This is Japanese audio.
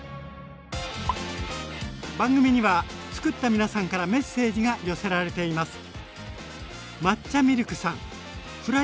番組には作った皆さんからメッセージが寄せられています。